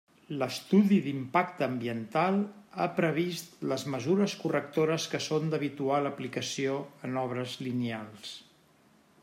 L'estudi d'impacte ambiental ha previst les mesures correctores que són d'habitual aplicació en obres lineals.